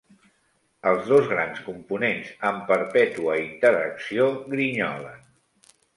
Els dos grans components en perpètua interacció grinyolen.